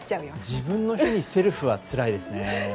自分の日にセルフはつらいですね。